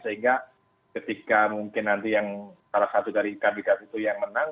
sehingga ketika mungkin nanti yang salah satu dari kandidat itu yang menang